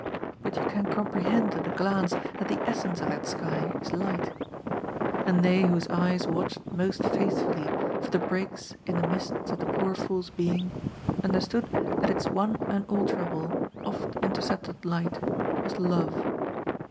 But you can comprehend at a glance that the essence of that sky is light. And they whose eyes THE MESSAGE OP ETERNAL SPRING. 329 watched most faithfully for the breaks in the mists of the poor fool's being, understood that its one unalterable, oft' intercepted light was love.